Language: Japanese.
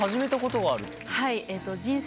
はい。